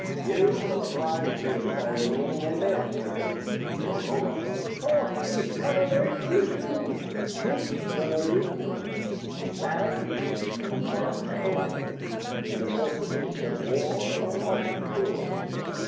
"You will oblige me by remaining in bed, sir, for a moment." "Coquins! Canailles! Cochons!" shrieked the lady. "Madame," said Colonel Clark, politely, "the necessities of war are often cruel."